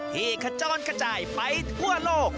ที่กระจ้อนกระจ่ายไปทั่วโลก